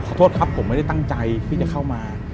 โทษครับผมไม่ได้ตั้งใจที่จะเข้ามา